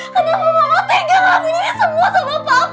kenapa mama tinggal ngelakuin ini semua sama papa